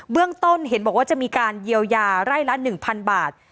เบื้องต้นเห็นบอกว่าจะมีการเยียวยาไร่ละหนึ่งพันบาท